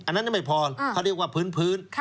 อันนั้นยังไม่พอเขาเรียกว่าพื้น